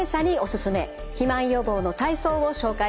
肥満予防の体操を紹介していきます。